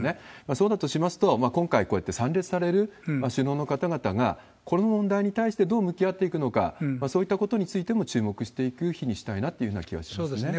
そうだとしますと、今回参列される首脳の方々が、この問題に対してどう向き合っていくのか、そういったことについても注目していく日にしたいなという気はしそうですね。